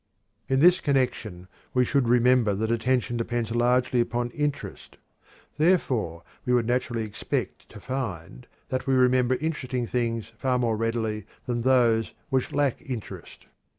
In this connection we should remember that attention depends largely upon interest. Therefore we would naturally expect to find that we remember interesting things far more readily than those which lack interest.